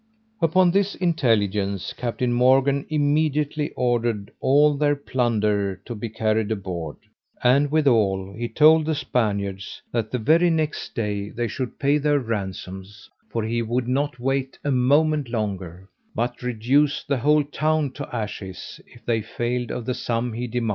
Upon this intelligence Captain Morgan immediately ordered all their plunder to be carried aboard; and withal, he told the Spaniards, that the very next day they should pay their ransoms, for he would not wait a moment longer, but reduce the whole town to ashes, if they failed of the sum he demanded.